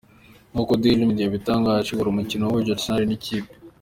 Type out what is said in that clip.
Nkuko dailymail yabitangaje, wari umukino wahuje Arsenal nikipe.